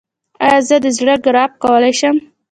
ایا زه د زړه ګراف کولی شم؟